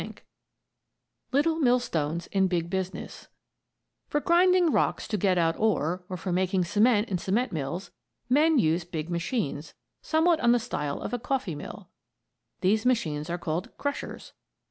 ] LITTLE MILLSTONES IN BIG BUSINESS For grinding rocks to get out ore, or for making cement in cement mills, men use big machines, somewhat on the style of a coffee mill. These machines are called "crushers."